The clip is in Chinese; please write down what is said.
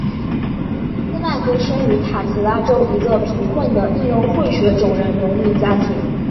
戈麦斯生于塔奇拉州一个贫苦的印欧混血种人农民家庭。